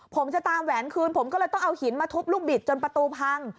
ผมจะตามแหวนคืนผมก็เลยต้องเอาหินมาทุบลูกบิดจนประตูพัง